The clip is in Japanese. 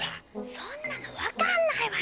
そんなの分かんないわよ！